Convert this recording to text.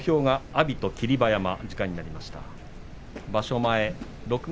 阿炎と霧馬山時間いっぱいになりました。